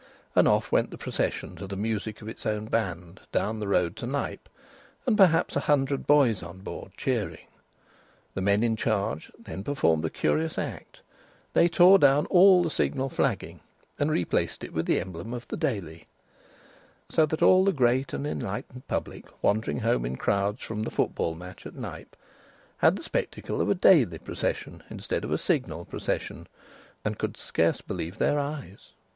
And off went the procession to the music of its own band down the road to Knype, and perhaps a hundred boys on board, cheering. The men in charge then performed a curious act: they tore down all the Signal flagging, and replaced it with the emblem of the Daily. So that all the great and enlightened public wandering home in crowds from the football match at Knype, had the spectacle of a Daily procession instead of a Signal procession, and could scarce believe their eyes.